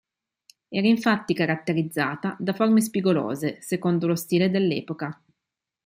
Era infatti caratterizzata da forme spigolose, secondo lo stile dell'epoca.